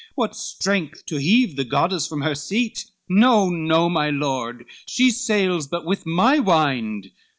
What strength to heave the goddess from her seat? No, no, my Lord, she sails but with my wind."